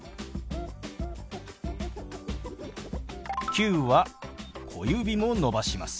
「９」は小指も伸ばします。